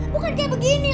bukan kayak begini lembek